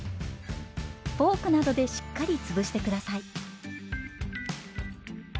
フォークなどでしっかりつぶして下さい。